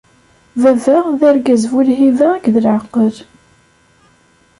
Baba, d argaz bu lhiba akked laɛqel.